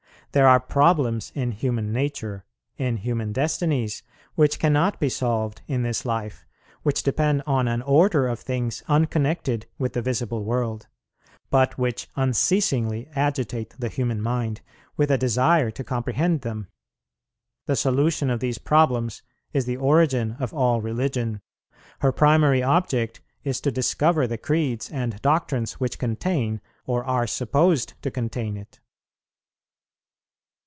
There are problems in human nature, in human destinies, which cannot be solved in this life, which depend on an order of things unconnected with the visible world, but which unceasingly agitate the human mind with a desire to comprehend them. The solution of these problems is the origin of all religion; her primary object is to discover the creeds and doctrines which contain, or are supposed to contain it.